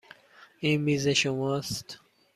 این میز شماست.